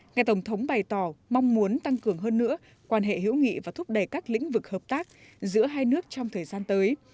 ngài tổng thống bày tỏ mong muốn tăng cường hơn nữa quan hệ hữu nghị và thúc đẩy các lĩnh vực hợp tác giữa hai nước trong thời gian tới